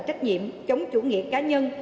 trách nhiệm chống chủ nghĩa cá nhân